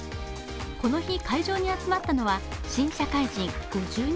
この日、会場に集まったのは新社会人５２人。